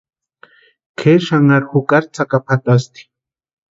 Kʼeri xanharu jukari tsakapu jatasti.